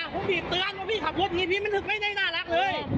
พี่มีเตือนว่าพี่ขับรถพี่ไม่ได้น่ารักเลย